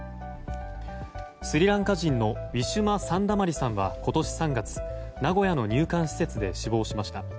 スリランカ人のウィシュマ・サンダマリさんは今年３月名古屋の入管施設で死亡しました。